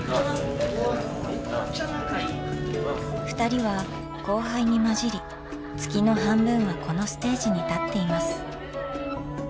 ふたりは後輩に交じり月の半分はこのステージに立っています。